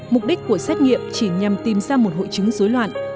mục đích của xét nghiệm chỉ nhằm tìm ra một hội chứng dối loạn